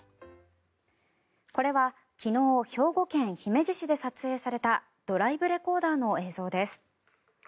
これは、昨日兵庫県姫路市で撮影されたドライブレコーダーの映像です。